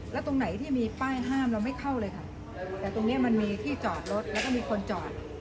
แล้วตรงไหนที่มีป้ายห้ามเราไม่เข้าเลยค่ะแต่ตรงเนี้ยมันมีที่จอดรถแล้วก็มีคนจอด